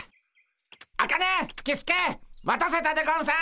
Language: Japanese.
アカネキスケ待たせたでゴンス。